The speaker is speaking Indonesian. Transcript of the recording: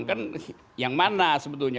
kan yang mana sebetulnya